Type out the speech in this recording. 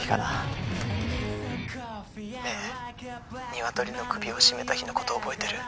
「ねえニワトリの首を絞めた日の事覚えてる？」